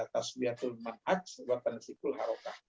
tasbihatul ma'ad wa tanisikul harokah